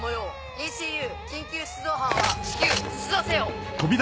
ＥＣＵ緊急出動班は至急出動せよ！